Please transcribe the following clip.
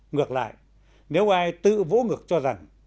ngược lại nếu ai tự vỗ ngược cho rằng